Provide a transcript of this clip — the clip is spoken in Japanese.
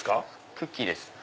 クッキーです。